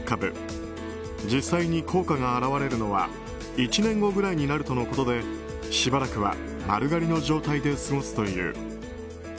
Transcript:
実際に効果が現れるのは１年後ぐらいになるとのことでしばらくは丸刈りの状態で過ごすという。